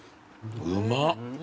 うまっ。